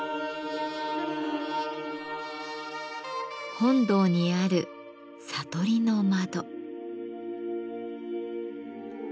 本堂にある「悟りの窓」。